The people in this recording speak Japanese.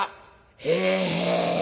「へえ。